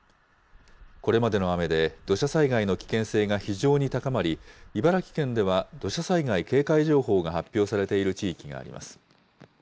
これまでの雨で土砂災害の危険性が非常に高まり、茨城県では土砂災害警戒情報が発表されている地域があります。